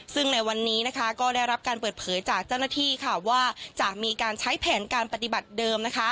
ซึ่งในวันนี้ก็ได้รับการเปิดเผยจากเจ้าหน้าที่ว่าจะมีการใช้แผนการปฏิบัติเดิม